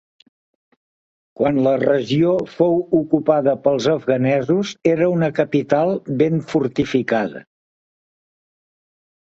Quan la regió fou ocupada pels afganesos era una capital ben fortificada.